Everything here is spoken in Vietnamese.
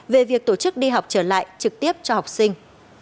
về việc tổ chức đi học trở lại trực tiếp cho học sinh